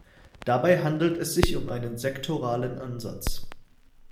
Dabei handelt es sich um einen sektoralen Ansatz.